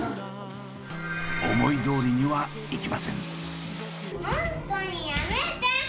思いどおりにはいきません。